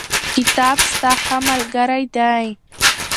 کتاب ستا ښه ملګری دی.